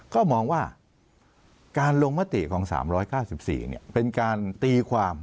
ก็มองว่าการลงมติของ๓๙๔เป็นการตีความ